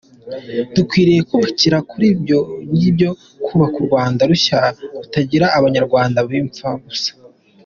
Dukwiriye kubakira kuri ibyo ngibyo tukubaka u Rwanda rushya rutagira Abanyarwanda b’impfabusa.